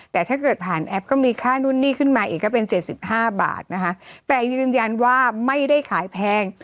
แต่ถ้าเกิดผ่านแอปก็มีค่านู่นนี่ขึ้นมาอีกก็เป็น๗๕บาทนะคะแต่ยืนยันว่าไม่ได้ขายแพง